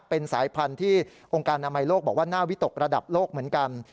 เป็นสายพันธุ์ที่องค์การอนามัยโลกบอกว่าน่าวิตกระดับโลกเหมือนกัน